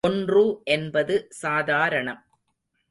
ஒன்று என்பது சாதாரணம்.